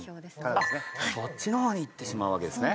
あっそっちの方にいってしまうわけですね。